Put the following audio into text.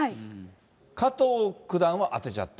加藤九段は当てちゃった。